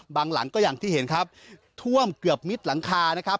หลังก็อย่างที่เห็นครับท่วมเกือบมิดหลังคานะครับ